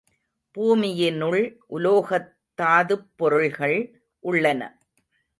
பூமியினுள் உலோகத்தாதுப் பொருள்கள் உள்ளன.